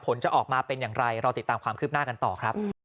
จะออกมาเป็นอย่างไรรอติดตามความคืบหน้ากันต่อครับ